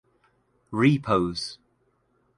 Repos.